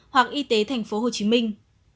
hoặc y tế tp hồ chí minh